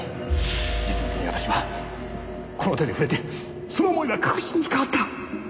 実物に私はこの手で触れてその思いは確信に変わった。